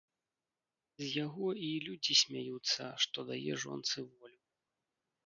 З яго і людзі смяюцца, што дае жонцы волю.